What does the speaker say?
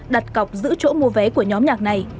đặt cọc giữ chỗ mua vé của nhóm nhạc này